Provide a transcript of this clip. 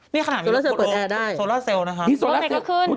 นี่ขนาดมีโซลาเซลเปิดแอร์ได้เปิดไหนก็ขึ้น